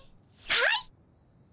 はい！